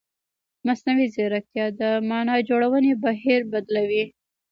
مصنوعي ځیرکتیا د معنا جوړونې بهیر بدلوي.